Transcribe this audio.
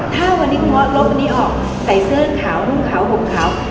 ถ้าวันนี้คุณว่ารถออกใส่เสื้อขาวนุ่มขาวหกขาว